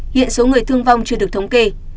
hiện số người thương vong chưa được thống kê